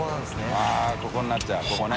◆舛ここになっちゃうここね。